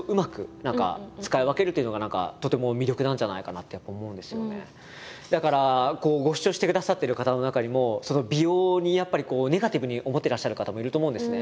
何でもそうだと思うんですけどだからこうご視聴してくださってる方の中にも美容にやっぱりこうネガティブに思ってらっしゃる方もいると思うんですね。